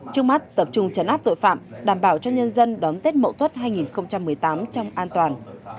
trước mắt tập trung chấn áp tội phạm đảm bảo cho nhân dân đón tết mậu tuất hai nghìn một mươi tám trong an toàn